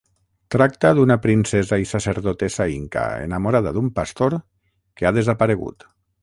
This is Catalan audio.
Tracta d'una princesa i sacerdotessa inca enamorada d'un pastor que ha desaparegut.